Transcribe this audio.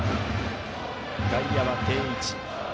外野は定位置。